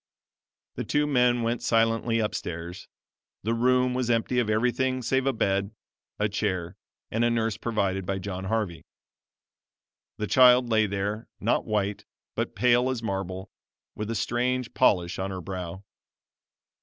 The two men went silently up stairs. The room was empty of everything save a bed, a chair and a nurse provided by John Harvey. The child lay there, not white, but pale as marble, with a strange polish on her brow.